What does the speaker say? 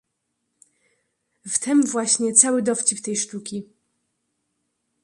"W tem właśnie cały dowcip tej sztuki."